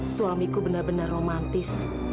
suamiku benar benar romantis